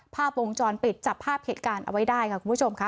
ภาพวงจรปิดจับภาพเหตุการณ์เอาไว้ได้ค่ะคุณผู้ชมค่ะ